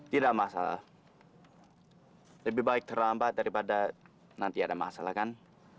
tidak masalah lebih baik terlambat daripada nanti ada masalah kan